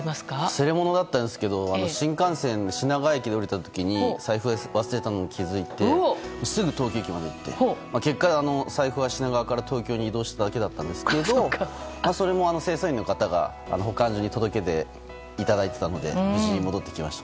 忘れ物だったんですけど新幹線で品川駅で降りた時に財布を忘れたのに気付いてすぐ東京駅に行って結果、財布は品川から東京に移動しただけだったんですけどそれも清掃員の方が保管所に届けていただいていたので無事に戻ってきました。